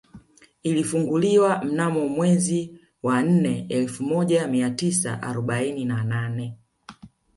Ilifunguliwa mnamo mwezi wa nne elfu moja mia tisa arobaini na nane